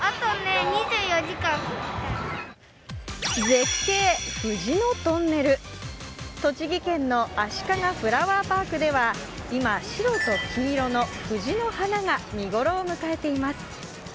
絶景、藤のトンネル、栃木県のあしかがフラワーパークでは今、白と黄色の藤の花が見頃を迎えています。